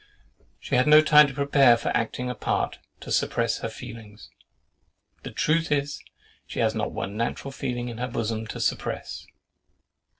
She had no time to prepare for acting a part, to suppress her feelings—the truth is, she has not one natural feeling in her bosom to suppress.